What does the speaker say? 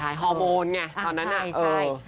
ใช่ฮอร์โมนไงตอนนั้นน่ะเออใช่